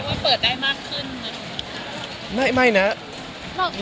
แค่ว่าเปิดใจมากขึ้น